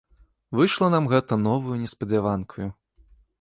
Выйшла нам гэта новаю неспадзяванкаю.